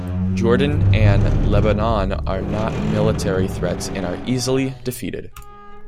Jordan and Lebanon are not military threats and are easily defeated.